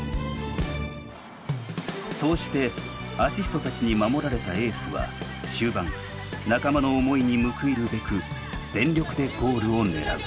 そうしてアシストたちに守られたエースは終盤仲間の思いに報いるべく全力でゴールを狙う。